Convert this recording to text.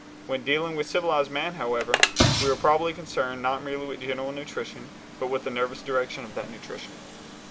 When dealing with civilized man, however, we are probably concerned not merely with general nutrition, but with the nervous direction of that nutrition.